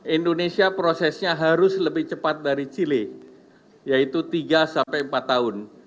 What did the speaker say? indonesia prosesnya harus lebih cepat dari chile yaitu tiga sampai empat tahun